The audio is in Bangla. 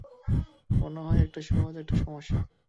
মনে হয় এটা সহজ একটা সমস্যা।